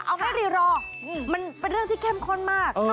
เอาให้รีลองมันเป็นเรื่องที่แค่มข้อนมาก